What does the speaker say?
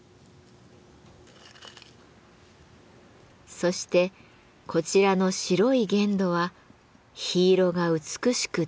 そしてこちらの白い原土は火色が美しく出るもの。